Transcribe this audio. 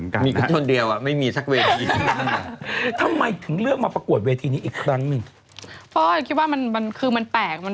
เคยค่ะหลายเวทีแล้วเหมือนกัน